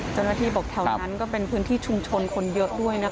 เจ้าหน้าที่บอกแถวนั้นก็เป็นพื้นที่ชุมชนคนเยอะด้วยนะคะ